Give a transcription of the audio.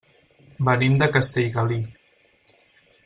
Venim de Castellgalí.